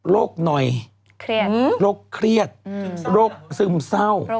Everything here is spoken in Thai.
โรคหน่อยโรคเครียดโรคซึมเศร้า